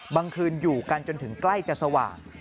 คืนอยู่กันจนถึงใกล้จะสว่าง